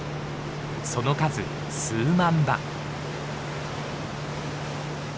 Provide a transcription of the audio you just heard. その数数万羽。